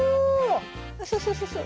そうそうそうそう。